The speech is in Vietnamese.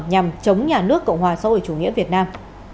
nhằm chống nhà nước cộng hòa xã hội chủ nghĩa việt nam